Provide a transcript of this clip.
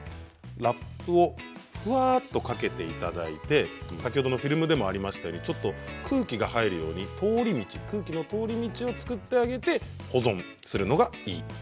ラップをふわっとかけていただいて先ほどのフィルムでもありましたけれどもちょっと空気が入るように空気の通り道を作ってあげて保存するのがいいと。